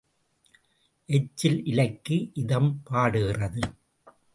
எச்சில் இலைக்கு இதம் பாடுகிறது.